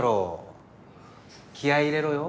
気合い入れろよ